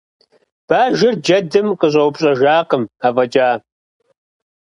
Бажэр джэдым къыщӏэупщӏэжакъым афӏэкӏа.